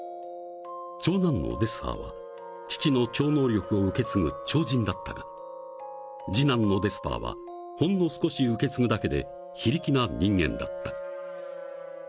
［長男のデスハーは父の超能力を受け継ぐ超人だったが次男のデスパーはほんの少し受け継ぐだけで非力な人間だった］